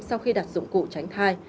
sau khi đặt dụng cụ tránh thai